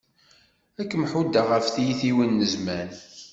Ad kem-ḥuddeɣ ɣef tyitwin n zzman.